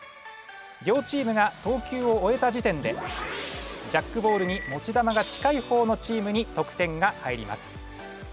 両チームが投球を終えた時点でジャックボールに持ち球が近いほうのチームに得点が入ります。